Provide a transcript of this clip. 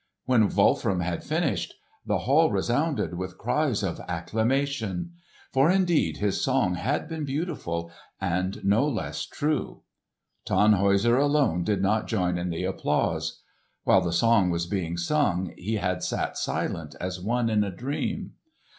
When Wolfram had finished, the hall resounded with cries of acclamation; for indeed his song had been beautiful, and no less true. Tannhäuser alone did not join in the applause. While the song was being sung he had sat silent as one in a dream.